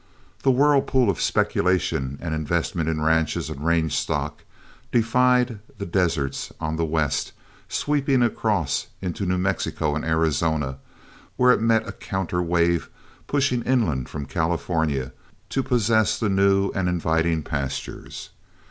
The whirlpool of speculation and investment in ranches and range stock defied the deserts on the west, sweeping across into New Mexico and Arizona, where it met a counter wave pushing inland from California to possess the new and inviting pastures.